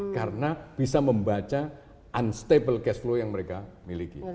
karena bisa membaca unstable cash flow yang mereka miliki